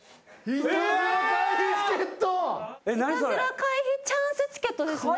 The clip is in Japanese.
イタズラ回避チャンスチケットですね。